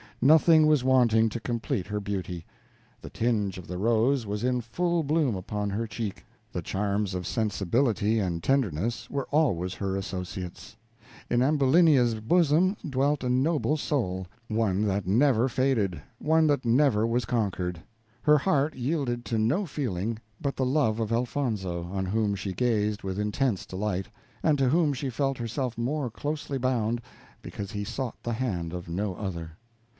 Nothing was wanting to complete her beauty. The tinge of the rose was in full bloom upon her cheek; the charms of sensibility and tenderness were always her associates.. In Ambulinia's bosom dwelt a noble soul one that never faded one that never was conquered. Her heart yielded to no feeling but the love of Elfonzo, on whom she gazed with intense delight, and to whom she felt herself more closely bound, because he sought the hand of no other.